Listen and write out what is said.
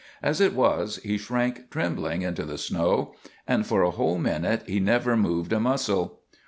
As it was, he shrank trembling into the snow, and for a whole minute he never moved a muscle.